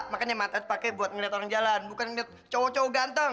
makanya mata dipakai buat ngeliat orang jalan bukan melihat cowok cowok ganteng